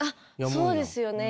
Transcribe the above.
そうですよね。